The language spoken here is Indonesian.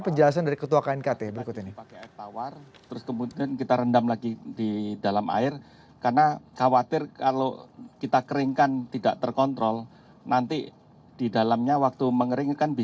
penjelasan dari ketua knkt berikut ini